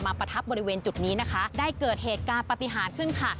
ประทับบริเวณจุดนี้นะคะได้เกิดเหตุการณ์ปฏิหารขึ้นค่ะ